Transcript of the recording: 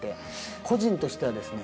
個人としてはですね